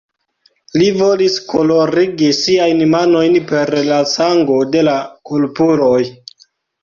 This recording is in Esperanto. Li volis kolorigi siajn manojn per la sango de la kulpuloj.